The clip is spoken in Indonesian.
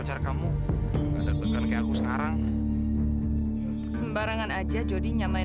sampai jumpa di video selanjutnya